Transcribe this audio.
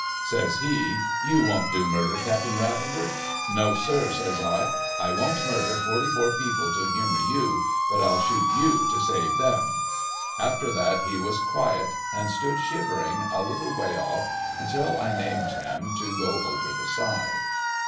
Says he, ' You won't do murder. Captain Ravender !'' No, sir,' says I, ' I won't murder forty four people to humour you, but I'll shoot you to save them,' After that he was quiet, and stood shivering a little way off, until I named him to go over the side.